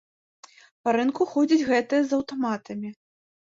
Па рынку ходзяць гэтыя з аўтаматамі.